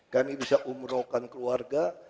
kami bisa umrohkan keluarga